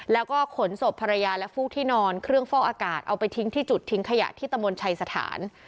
แล้วก็ขนศพภรรยาและฟูกที่นอนเครื่องฟอกอากาศเอาไปทิ้งที่จุดทิ้งขยะที่ตะมนต์ชัยสถาน